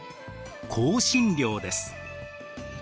香辛料です。